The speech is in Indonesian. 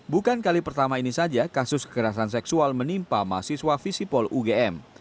bukan kali pertama ini saja kasus kekerasan seksual menimpa mahasiswa visipol ugm